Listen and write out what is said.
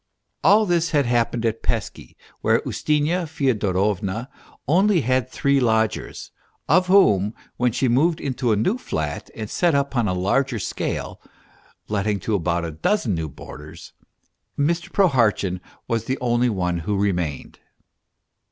All this had happened at 258 MR. PROHARTCHIN 259 Peski, where Ustinya Fyodorovna only had three lodgers, of whom, when she moved into a new flat and set up on a larger scale, letting to about a dozen new boarders, Mr. Prohartchin was the only one who remained.